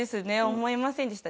思いませんでした。